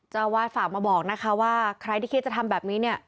เจ้าวาดฝากมาบอกนะคะว่าใครที่คิดจะทำแบบนี้เนี่ย